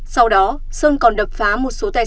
sau đó sơn còn đập phá một số tài sản